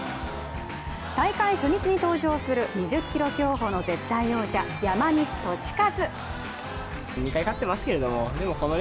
大会初日に登場する２０ｋｍ競歩の絶対王者、山西利和。